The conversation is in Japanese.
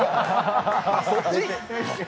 そっち？